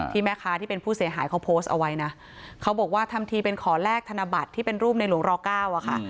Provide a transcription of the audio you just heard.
แม่ค้าที่เป็นผู้เสียหายเขาโพสต์เอาไว้นะเขาบอกว่าทำทีเป็นขอแลกธนบัตรที่เป็นรูปในหลวงรเก้าอะค่ะ